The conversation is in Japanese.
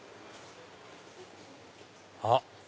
あっ！